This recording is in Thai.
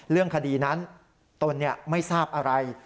เรื่องคดีนั้นตนไม่ทราบอะไร